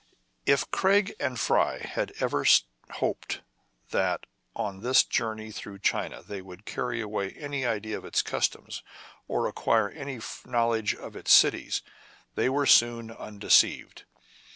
If Craig and Fry had ever hoped that on this journey through China they could carry away any idea of its customs, or acquire any knowledge of its cities, they were soon undeceived.